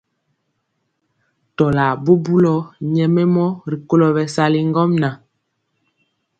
Tɔlar bubuli nyɛmemɔ rikolo bɛsali ŋgomnaŋ.